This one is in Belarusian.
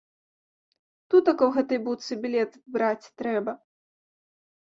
Тутака ў гэтай будцы білеты браць трэба.